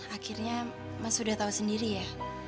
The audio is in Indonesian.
akhirnya mas sudah tahu sendiri ya